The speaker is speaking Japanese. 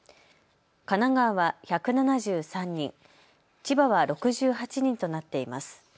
神奈川は１７３人、千葉は６８人となっています。